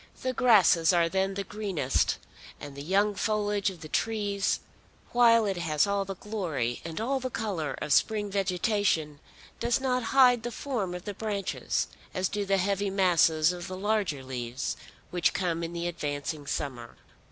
The grasses are then the greenest, and the young foliage of the trees, while it has all the glory and all the colour of spring vegetation, does not hide the form of the branches as do the heavy masses of the larger leaves which come in the advancing summer.